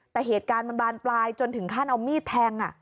แต่เหตุการณ์มันบานปลายจนถึงขั้นเอามีดแทง